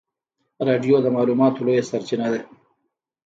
رادیو د معلوماتو لویه سرچینه ده.